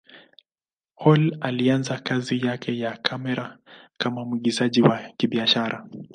Hall alianza kazi yake ya kamera kama mwigizaji wa kibiashara.